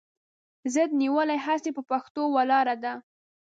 ضد نیولې هسې پهٔ پښتو ولاړه ده